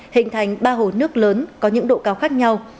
hình thành ba hồ nước lớn có những độ cao khác nhau